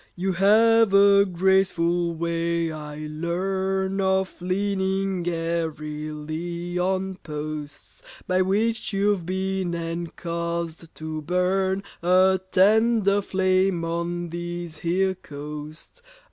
"You have a graceful way, I learn, Of leaning airily on posts, By which you've been and caused to burn A tender flame on these here coasts.